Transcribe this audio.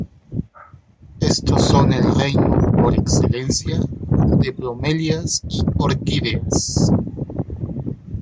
Estos son el reino por excelencia de bromelias y orquídeas.